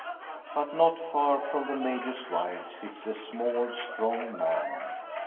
But not far from the major's wife sits a small, strong man.